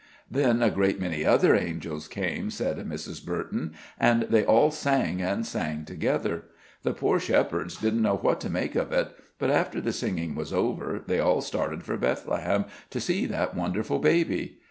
"Then a great many other angels came," said Mrs. Burton, "and they all sang and sang together. The poor shepherds didn't know what to make of it, but after the singing was over, they all started for Bethlehem, to see that wonderful baby."